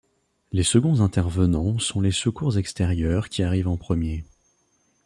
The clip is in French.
Les seconds intervenants sont les secours extérieurs qui arrivent en premier.